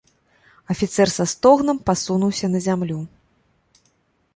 Афіцэр са стогнам пасунуўся на зямлю.